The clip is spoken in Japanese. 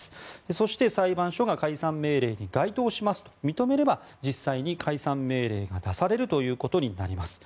そして、裁判所が解散命令に該当しますと認めれば実際に解散命令が出されることになります。